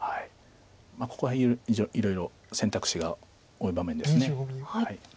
ここはいろいろ選択肢が多い場面です。